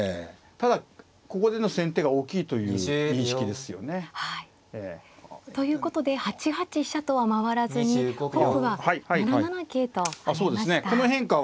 ただここでの先手が大きいという認識ですよね。ということで８八飛車とは回らずに本譜は７七桂と跳ねました。